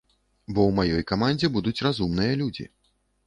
Бо ў маёй камандзе будуць разумныя людзі.